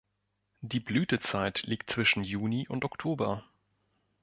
Die Blütezeit liegt zwischen Juni und Oktober.